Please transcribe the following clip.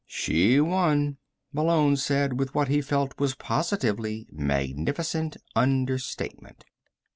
"She won," Malone said with what he felt was positively magnificent understatement.